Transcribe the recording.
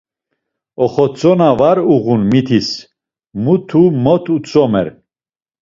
Oxotzona na var uğun mitis mutu mot utzumer.